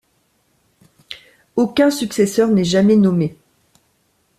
Aucun successeur n'est jamais nommé.